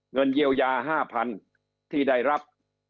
เงินเยียวยา๕๐๐๐ที่ได้รับ